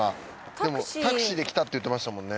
でもタクシーで来たって言ってましたもんね。